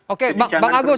oke bang agus